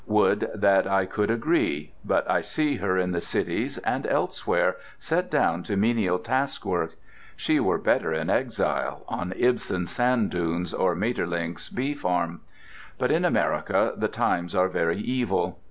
Would that I could agree; but I see her in the cities and everywhere, set down to menial taskwork. She were better in exile, on Ibsen's sand dunes or Maeterlinck's bee farm. But in America the times are very evil.